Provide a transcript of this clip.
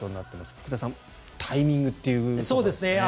福田さん、タイミングというところなんですね。